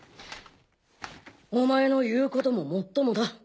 お前の言うことももっともだ。